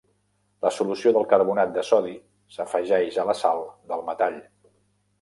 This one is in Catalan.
La solució de carbonat de sodi s'afegeix a la sal del metall.